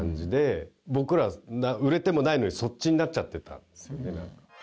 僕らは売れてもないのにそっちになっちゃってたんですよね。